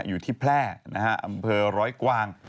อยู่ที่แพร่นะฮะอำเภอร้อยกวาง